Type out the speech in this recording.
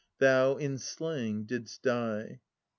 Thou in slaying didst die.